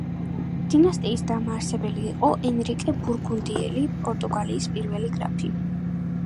დინასტიის დამაარსებელი იყო ენრიკე ბურგუნდიელი, პორტუგალიის პირველი გრაფი.